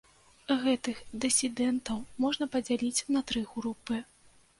Гэтых дысідэнтаў можна падзяліць на тры групы.